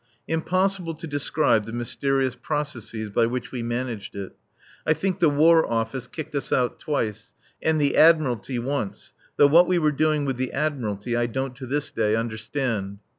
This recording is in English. Impossible to describe the mysterious processes by which we managed it. I think the War Office kicked us out twice, and the Admiralty once, though what we were doing with the Admiralty I don't to this day understand.